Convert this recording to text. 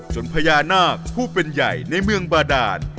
พญานาคผู้เป็นใหญ่ในเมืองบาดาน